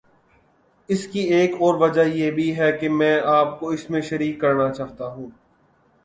اس کی ایک وجہ یہ بھی ہے کہ میں آپ کو اس میں شریک کرنا چاہتا ہوں۔